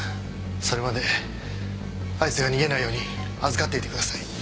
それまであいつが逃げないように預かっていてください。